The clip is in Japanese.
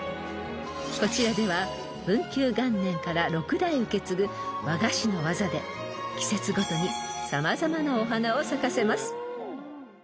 ［こちらでは文久元年から６代受け継ぐ和菓子の技で季節ごとに様々なお花を咲かせます］